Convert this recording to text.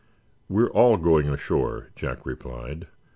"We're all going ashore," Jack replied.